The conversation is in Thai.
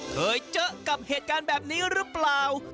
เคยเจอกับเหตุการณ์แบบนี้หรือเปล่า